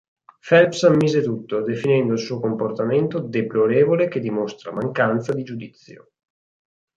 Phelps ammise tutto, definendo il suo comportamento "deplorevole che dimostra mancanza di giudizio".